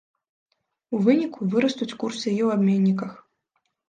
У выніку, вырастуць курсы і ў абменніках.